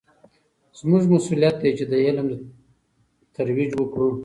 زموږ مسوولیت دی چې د علم ترویج وکړو.